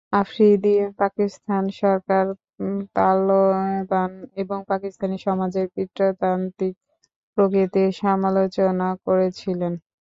আফ্রিদি পাকিস্তান সরকার, তালেবান এবং পাকিস্তানী সমাজের পিতৃতান্ত্রিক প্রকৃতির সমালোচনা করেছিলেন।